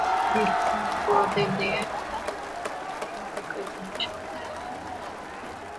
দীর্ঘদিনের পোড়া তেল দিয়ে মিষ্টি তৈরি করে বিভিন্ন বিক্রয়কেন্দ্রে সরবরাহ করা হতো।